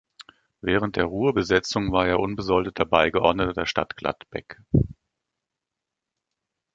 Während der Ruhrbesetzung war er unbesoldeter Beigeordneter der Stadt Gladbeck.